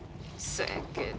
そやけど。